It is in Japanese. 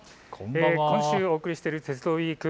今週お送りしている鉄道ウイーク。